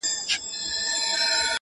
صدقه دي سم تر تكــو تــورو سترگو؛